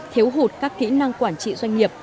thiếu hụt các kỹ năng quản trị doanh nghiệp